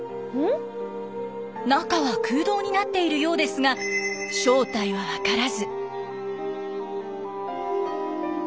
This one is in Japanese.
中は空洞になっているようですが正体は分からず。